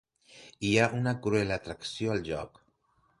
Hi ha una cruel atracció al lloc.